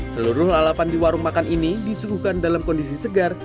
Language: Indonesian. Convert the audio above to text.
seluruh lalapan di warung makan ini disuguhkan dalam kondisi segar